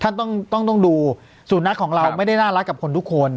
ท่านต้องดูสูตนักของเราไม่ได้น่ารักกับคนทุกคน